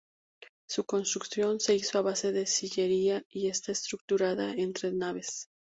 Su construcción se hizo a base de sillería y está estructurada en tres naves.